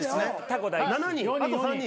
あと３人。